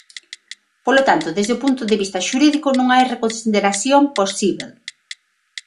Polo tanto, desde o punto de vista xurídico non hai reconsideración posíbel.